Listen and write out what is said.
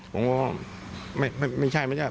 ผมก็ไม่ใช่ไม่ใช่